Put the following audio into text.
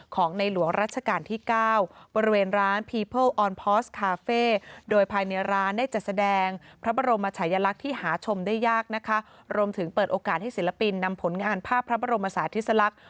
ของในหลวงราชการที่๙